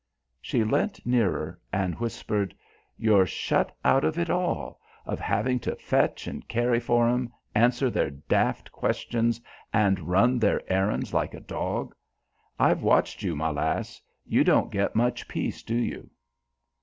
She leant nearer and whispered, "You're shut out of it all of having to fetch and carry for 'em, answer their daft questions and run their errands like a dog. I've watched you, my lass. You don't get much peace, do you?"